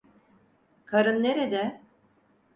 Karın nerede?